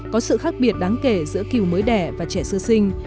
có sự khác biệt đáng kể giữa kiều mới đẻ và trẻ sơ sinh